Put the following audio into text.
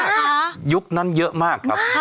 โอเคฮยุคนั่นเยอะมากครับ